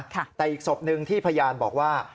แต่อีกศพหนึ่งที่พยานบอกว่า